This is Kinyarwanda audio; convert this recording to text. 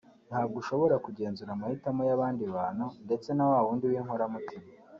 Ntabwo ushobora kugenzura amahitamo y’abandi bantu ndetse na wa wundi w’inkoramutima